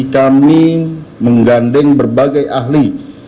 kami menggandeng berbagai ahli